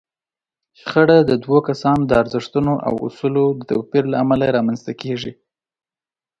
شخړه د دوو کسانو د ارزښتونو او اصولو د توپير له امله رامنځته کېږي.